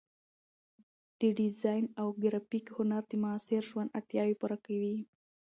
د ډیزاین او ګرافیک هنر د معاصر ژوند اړتیاوې پوره کوي.